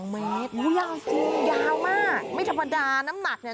เมตรอู้ยาวจริงยาวมากไม่ธรรมดาน้ำหนักเนี่ย